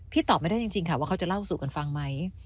ตอบไม่ได้จริงค่ะว่าเขาจะเล่าสู่กันฟังไหม